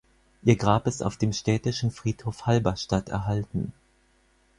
Ihr Grab ist auf dem Städtischen Friedhof Halberstadt erhalten.